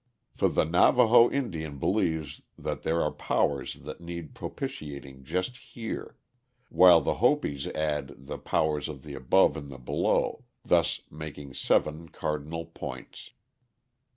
For the Navaho Indian believes that there are powers that need propitiating just here, while the Hopis add the powers of the Above and the Below, thus making seven cardinal points.